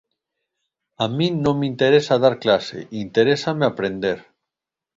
A min non me interesa dar clase, interésame aprender.